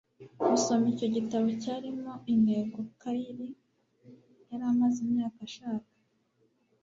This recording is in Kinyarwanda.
gusoma icyo gitabo cyarimo intego kyle yari amaze imyaka ashaka